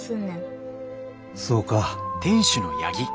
そうか。